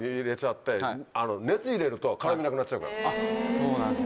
そうなんですね。